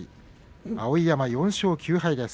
碧山は４勝９敗です。